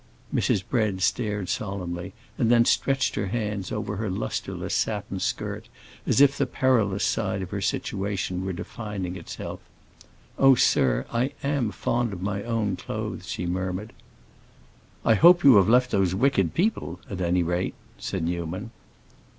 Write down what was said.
Mrs. Bread stared solemnly and then stretched her hands over her lustreless satin skirt, as if the perilous side of her situation were defining itself. "Oh, sir, I am fond of my own clothes," she murmured. "I hope you have left those wicked people, at any rate," said Newman.